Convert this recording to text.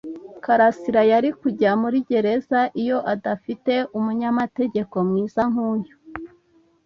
karasira yari kujya muri gereza iyo adafite umunyamategeko mwiza nkuyu.